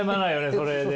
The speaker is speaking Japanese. それで。